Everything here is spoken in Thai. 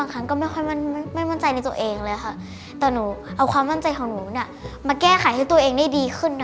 จะเข้าไปในห้องอุปกรณ์แล้วก็จะทำแบบนี้